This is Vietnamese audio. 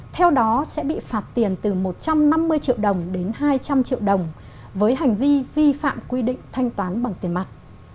theo đó sẽ bị phạt tiền từ một trăm năm mươi triệu đồng đến hai trăm linh triệu đồng với hành vi vi phạm quy định thanh toán bằng tiền mặt